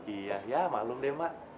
iya ya maklum deh mak